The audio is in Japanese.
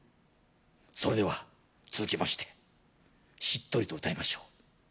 「それでは続きましてしっとりと歌いましょう」